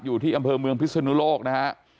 อยู่ที่อำเภอเมืองพิศนุโลกนะฮะ